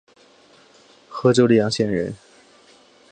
和州历阳县人。